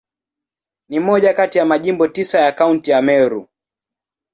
Ni moja kati ya Majimbo tisa ya Kaunti ya Meru.